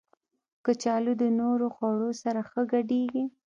کچالو د نورو خوړو سره ښه ګډېږي